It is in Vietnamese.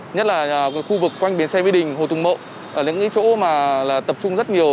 nhất là khu vực quanh biến xe vĩ đình hồ tùng mộ những chỗ tập trung rất nhiều